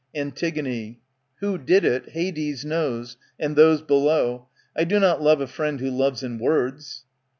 "^ Antig. Who did it, Hades knows, and those below : I do not love a friend who loves in words.